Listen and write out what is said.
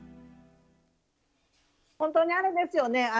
ほんとにあれですよね